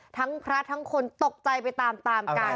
ทั้งพระทั้งคนตกใจไปตามกาล